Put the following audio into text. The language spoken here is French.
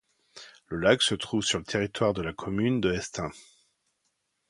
Le lac se trouve sur le territoire de la commune de Estaing.